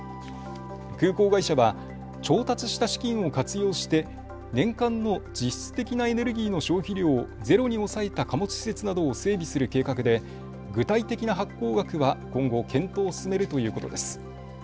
空港会社は調達した資金を活用して年間の実質的なエネルギーの消費量をゼロに抑えた貨物施設などを整備する計画で具体的な発行額は今後、検討を進めるということです。